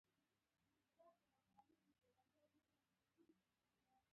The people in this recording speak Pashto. د زړه وینې خوري او په ځان سخته تېروي.